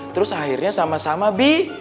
terus akhirnya sama sama bi